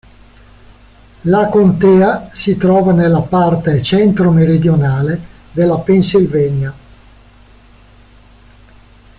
La contea si trova nella parte centro-meridionale della Pennsylvania.